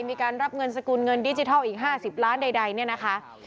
มีการรับเงินสกุลเงินดิจิทัลอีก๕๐ล้านใดเนี่ยนะคะ